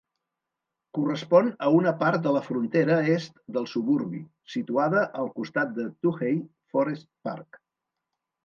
Correspon a una part de la frontera est del suburbi, situada al costat del Toohey Forest Park.